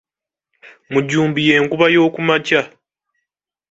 Mujumbi ye nkuba y’okumakya.